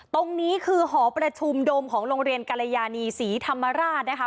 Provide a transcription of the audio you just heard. ตรงนี้คือหอประชุมโดมของโรงเรียนกรยานีศรีธรรมราชนะคะ